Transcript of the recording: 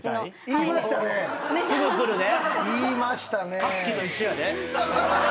言いましたね。